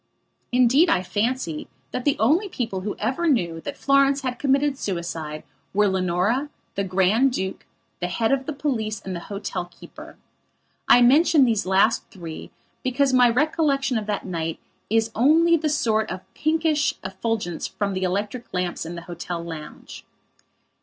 Indeed, I fancy that the only people who ever knew that Florence had committed suicide were Leonora, the Grand Duke, the head of the police and the hotel keeper. I mention these last three because my recollection of that night is only the sort of pinkish effulgence from the electric lamps in the hotel lounge.